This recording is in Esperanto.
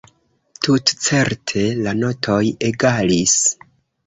Tutcerte, la notoj egalis.